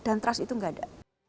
dan trust itu tidak ada